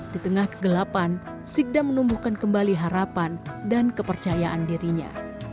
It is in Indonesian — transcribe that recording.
di tengah kegelapan sikda menumbuhkan kembali harapan dan kepercayaan dirinya